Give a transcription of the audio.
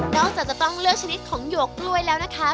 จากจะต้องเลือกชนิดของหยวกกล้วยแล้วนะคะ